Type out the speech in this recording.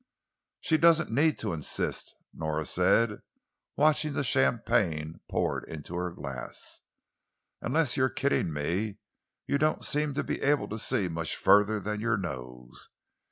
"She doesn't need to insist," Nora said, watching the champagne poured into her glass. "Unless you're kidding me, you don't seem to be able to see much further than your nose.